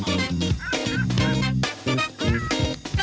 โปรดติดตามตอนต่อไป